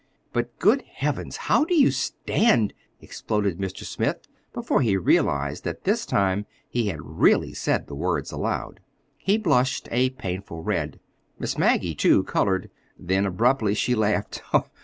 "But, good Heavens, how do you stand—" exploded Mr. Smith before he realized that this time he had really said the words aloud. He blushed a painful red. Miss Maggie, too, colored. Then, abruptly, she laughed.